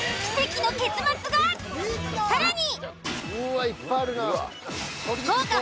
［さらに！］